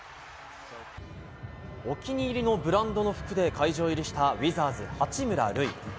お気に入りのブランドの服で会場入りしたウィザーズ、八村塁。